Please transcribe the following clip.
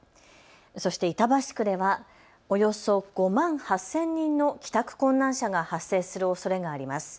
そして板橋区ではおよそ５万８０００人の帰宅困難者が発生するおそれがあります。